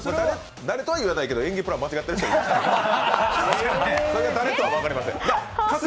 誰とは言わないけど演技プラン間違ってるかと。